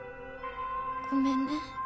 ごめんね。